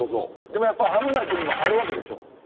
でもやっぱ危ない時もあるわけでしょ？